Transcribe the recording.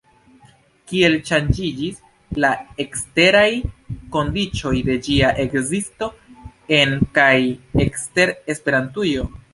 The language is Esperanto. Kiel ŝanĝiĝis la eksteraj kondiĉoj de ĝia ekzisto, en kaj ekster Esperantujo?